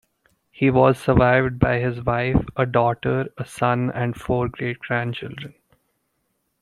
He was survived by his wife, a daughter, a son and four great-grandchildren.